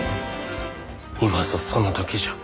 今ぞその時じゃ。